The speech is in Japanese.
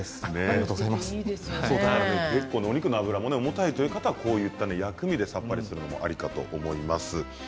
お肉の脂が重たいという方、薬味でさっぱりさせるのもありかと思います。